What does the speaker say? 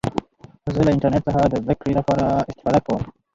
زه له انټرنټ څخه د زدهکړي له پاره استفاده کوم.